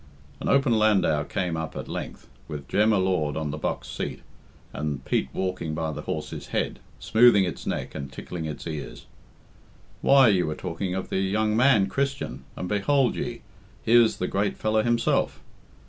An open landau came up at length, with Jem y Lord on the box seat, and Pete walking by the horse's head, smoothing its neck and tickling its ears. "Why, you were talking of the young man, Christian, and behold ye, here's the great fellow himself.